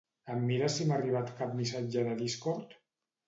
Em mires si m'ha arribat cap missatge de Discord?